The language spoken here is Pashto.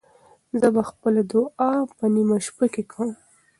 زه به خپله دعا په نیمه شپه کې کوم.